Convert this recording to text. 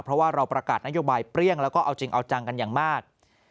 เพราะว่าเราประกาศนโยบายเปรี้ยงแล้วก็เอาจริงเอาจังกันอย่างมาก